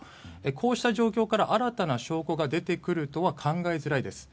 こうした状況から新たな証拠が出てくるとは考えづらいです。